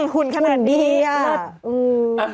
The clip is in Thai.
หุ่นขนาดนี้แหละ